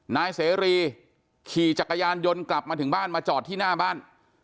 นายเสรีขี่จักรยานยนต์กลับมาถึงบ้านมาจอดที่หน้าบ้าน